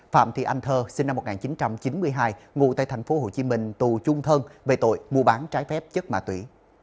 phạm thị anh thơ sinh năm một nghìn chín trăm chín mươi hai ngụ tại tp hcm tù chung thân về tội mua bán trái phép chất ma túy